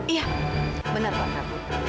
iya benar pak prabu